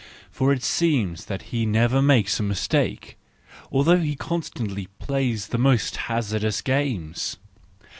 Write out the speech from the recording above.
For it seems that he never makes a mistake, although he constantly plays the most hazardous games.